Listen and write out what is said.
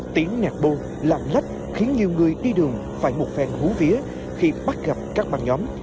tiếng nhạc bồn lạc lách khiến nhiều người đi đường phải một phèn hú vía khi bắt gặp các băng nhóm